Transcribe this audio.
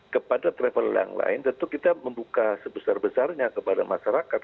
kepada travel yang lain tentu kita membuka sebesar besarnya kepada masyarakat